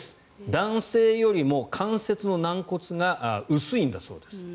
男性よりも関節の軟骨が薄いんだそうです。